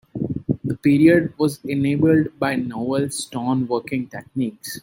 The period was enabled by novel stone working techniques.